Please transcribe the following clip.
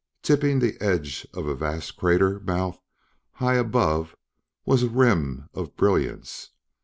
Tipping the edge of a vast crater mouth high above was a rim of brilliance.